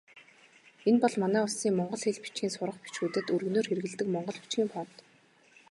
Энэ бол манай улсын монгол хэл, бичгийн сурах бичгүүдэд өргөнөөр хэрэглэдэг монгол бичгийн фонт.